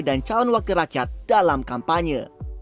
dan calon wakil rakyat dalam kampanye